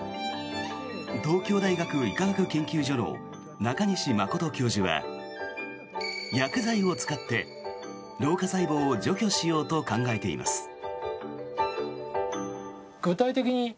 東京大学医科学研究所の中西真教授は薬剤を使って老化細胞を除去しようと考えています。